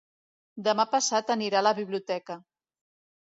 Demà passat anirà a la biblioteca.